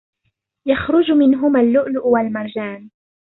يَخْرُجُ مِنْهُمَا اللُّؤْلُؤُ وَالْمَرْجَانُ